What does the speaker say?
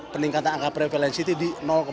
peningkatan angka prevalensi itu di